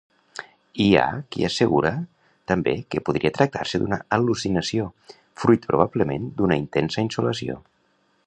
Hi ha qui assegura també que podria tractar-se d'una al·lucinació fruit probablement d'una intensa insolació.